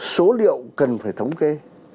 số liệu cần phải thống kê